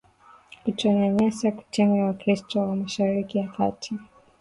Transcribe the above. kutonyanyasa kutenga wakristo wa mashariki ya kati